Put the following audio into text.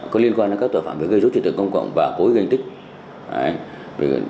có liên quan đến các tội phạm gây rút truyền tượng công cộng và cố gây gây hình tích